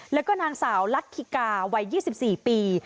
แล้วก็นางสาวลัดคิกาวัย๒๔ปี